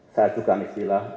saya juga menistilah